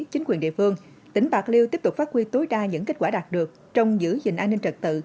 chính quyền địa phương tỉnh bạc liêu tiếp tục phát huy tối đa những kết quả đạt được trong giữ gìn an ninh trật tự